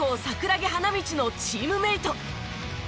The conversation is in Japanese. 桜木花道のチームメート。